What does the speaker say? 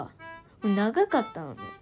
長かったのね。